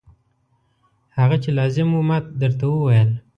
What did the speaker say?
هغه چې لازم و ما درته وویل.